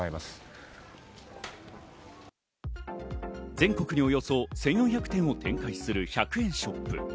全国におよそ１４００店を展開する１００円ショップ。